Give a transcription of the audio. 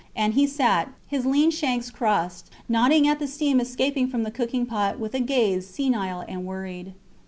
And he sat, his lean shanks crossed, nodding at the steam escaping from the cooking pot with a gaze senile and worried.